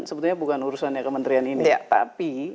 sebetulnya bukan urusannya kementerian ini tapi